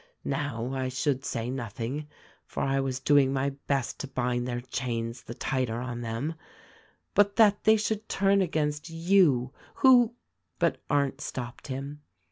Now, I should say nothing, for I was doing my best to bind their chains the tighter on them ; but that they should turn against you, who " But Arndt stopped him.